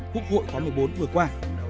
quốc hội khóa một mươi bốn vừa qua